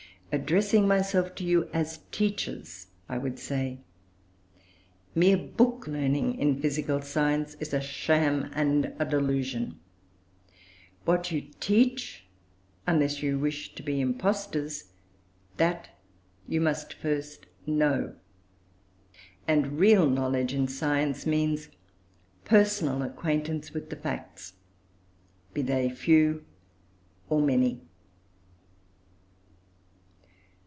Addressing myself to you, as teachers, I would say, mere book learning in physical science is a sham and a delusion what you teach, unless you wish to be impostors, that you must first know; and real knowledge in science means personal acquaintance with the facts, be they few or many.